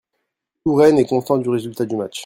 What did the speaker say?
Tout Rennes est content du résultat du match.